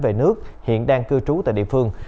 về nước hiện đang cư trú tại địa phương